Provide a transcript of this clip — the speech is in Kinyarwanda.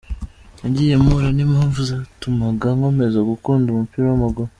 nagiye mpura n’impamvu zatumaga nkomeza gukunda umupira w’amaguru.